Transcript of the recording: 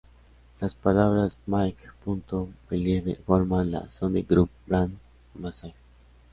Las palabras "make.believe" forman la "Sony Group Brand Message.